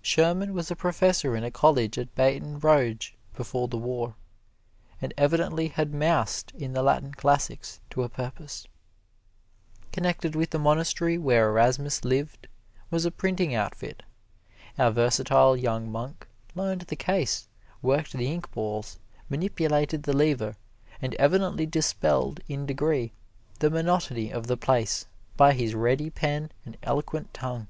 Sherman was a professor in a college at Baton Rouge before the War, and evidently had moused in the Latin classics to a purpose. Connected with the monastery where Erasmus lived was a printing outfit. Our versatile young monk learned the case, worked the ink balls, manipulated the lever, and evidently dispelled, in degree, the monotony of the place by his ready pen and eloquent tongue.